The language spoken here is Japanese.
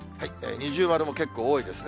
二重丸も結構多いですね。